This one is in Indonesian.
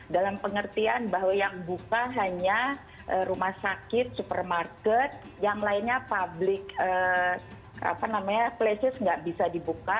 dalam pengertian bahwa yang buka hanya rumah sakit supermarket yang lainnya public places nggak bisa dibuka